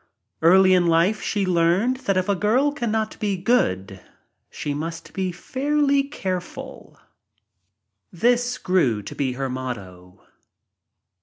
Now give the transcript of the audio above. Early in life she learned that if a girl cannot be good she must be fairly careful. This grew to be her motto.